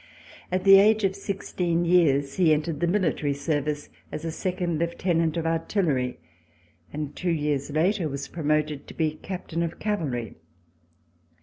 At the age of sixteen years he entered the military service as a Second Lieutenant of Artillery, and two years later was promoted to be Captain of Cavalry.